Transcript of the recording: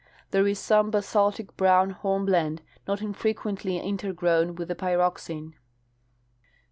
There is some basaltic brown hornblende not in frequently intergroAvn with the pyroxene.